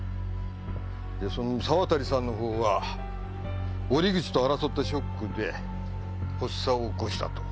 でその沢渡さんの方は折口と争ったショックで発作を起こしたと。